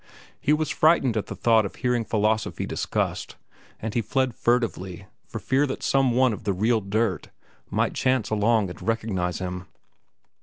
He was frightened at the thought of hearing philosophy discussed, and he fled furtively, for fear that some one of the "real dirt" might chance along and recognize him.